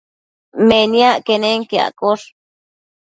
Meniac quenenquiaccosh